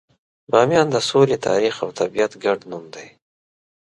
بامیان د سولې، تاریخ، او طبیعت ګډ نوم دی.